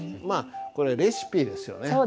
まあこれレシピですよね。